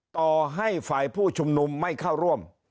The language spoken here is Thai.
ต่อให้ฝ่ายผู้ชุมนุมไม่เข้าร่วม